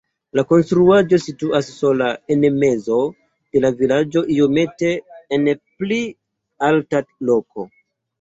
La konstruaĵo situas sola en mezo de la vilaĝo iomete en pli alta loko.